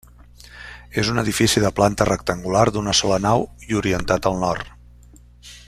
És un edifici de planta rectangular d'una sola nau i orientat al nord.